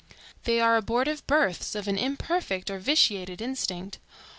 They are abortive births of an imperfect or vitiated instinct.